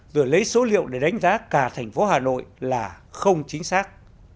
rồi lấy số liệu để đánh giá cả thành phố hà nội là không chính xác